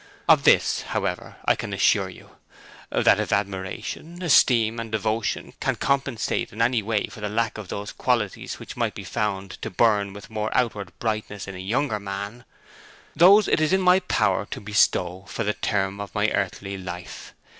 Of this, however, I can assure you: that if admiration, esteem, and devotion can compensate in any way for the lack of those qualities which might be found to burn with more outward brightness in a younger man, those it is in my power to bestow for the term of my earthly life.